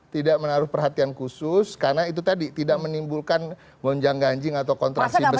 tidak menaruh perhatian khusus karena itu tadi tidak menimbulkan gonjang ganjing atau kontraksi besar